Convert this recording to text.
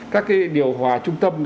các cái điều hòa trung tâm